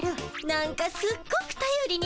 なんかすっごくたよりになるわ。